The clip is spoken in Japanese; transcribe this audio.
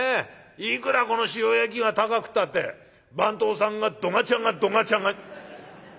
いくらこの塩焼きが高くったって番頭さんがどがちゃがどがちゃが」。